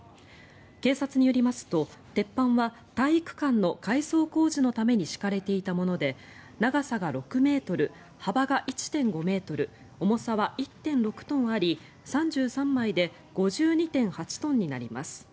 警察によりますと鉄板は体育館の改装工事のために敷かれていたもので長さが６ｍ幅が１．５ｍ重さは１．６トンあり３３枚で５２．８トンになります。